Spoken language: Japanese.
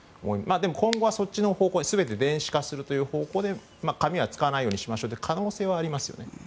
今後はそっちの方向に全て電子化するという方向で紙は使わないようにしましょうという可能性はありますよね。